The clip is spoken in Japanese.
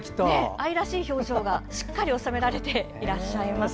愛らしい表情がしっかり収められていらっしゃいます。